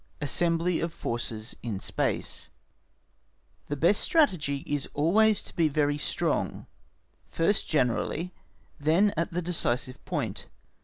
Assembly of Forces in Space The best Strategy is always to be very strong, first generally then at the decisive point.